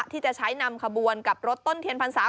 ที่จะใช้นำขบวนกับรถต้นเทียนพรรษา